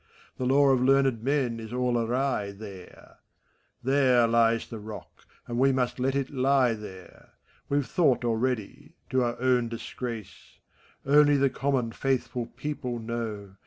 The lore of learned men is all awry there ; There lies the rock, and we must let it He there ; We've thought already— to our own disgrace. Only the common, faithful people know.